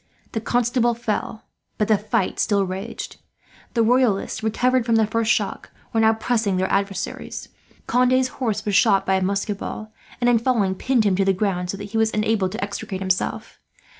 The Constable fell, but the fight still raged. The Royalists, recovered from the first shock, were now pressing their adversaries. Conde's horse was shot by a musket ball and, in falling, pinned him to the ground so that he was unable to extricate himself.